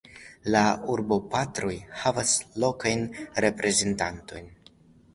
La urbopartoj havas lokajn reprezentantojn.